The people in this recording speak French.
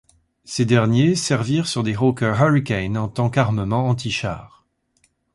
Ces derniers servirent sur des Hawker Hurricane en tant qu'armement anti-char.